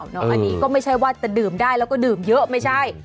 อันนี้ก็ไม่ใช่ว่าจะดื่มได้แล้วก็ดื่มเยอะไม่ใช่